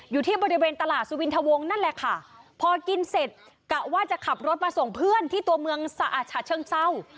อยู่ที่บริเวณตลาดสุวินทวงนั่นแหละค่ะพอกินเสร็จกะว่าจะขับรถมาส่งเพื่อนที่ตัวเมืองสะอาดฉะเชิงเศร้า